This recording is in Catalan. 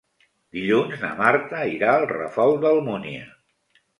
Dilluns na Marta irà al Ràfol d'Almúnia.